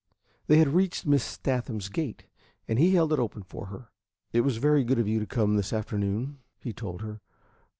They had reached Miss Sathman's gate, and he held it open for her. "It was very good of you to come this afternoon," he told her.